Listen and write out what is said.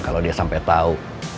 kalau dia sampai tau